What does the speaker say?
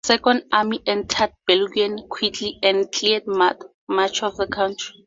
Second Army entered Belgium quickly, and cleared much of the country.